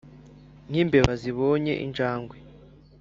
nkimbeba zibonye injangwe.